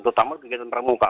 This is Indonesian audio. terutama kegiatan pramuka